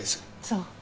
そう。